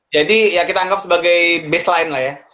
jadi ya kita anggap sebagai baseline lah ya